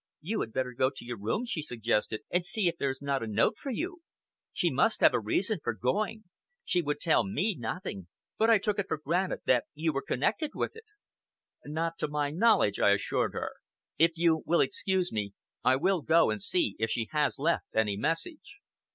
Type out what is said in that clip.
"You had better go to your room," she suggested, "and see if there is not a note for you! She must have a reason for going. She would tell me nothing; but I took it for granted that you were connected with it." "Not to my knowledge," I assured her. "If you will excuse me, I will go and see if she has left any message."